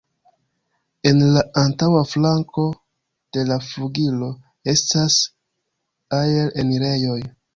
En la antaŭa flanko de la flugilo estas aer-enirejoj.